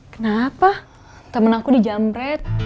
kenapa temen aku dijamret